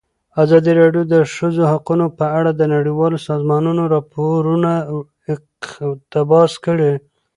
ازادي راډیو د د ښځو حقونه په اړه د نړیوالو سازمانونو راپورونه اقتباس کړي.